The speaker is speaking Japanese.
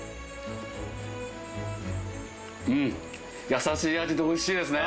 優しい味でおいしいですね。